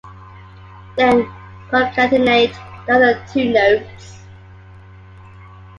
Then concatenate the other two nodes.